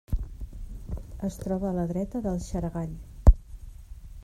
Es troba a la dreta del Xaragall.